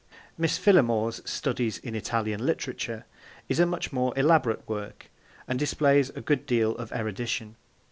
Miss Phillimore's Studies in Italian Literature is a much more elaborate work, and displays a good deal of erudition.